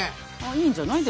いいんじゃない？